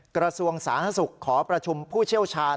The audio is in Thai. กระทรวงสาธารณสุขขอประชุมผู้เชี่ยวชาญ